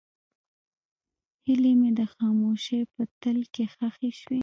هیلې مې د خاموشۍ په تل کې ښخې شوې.